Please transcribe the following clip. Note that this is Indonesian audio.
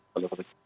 siapa yang akan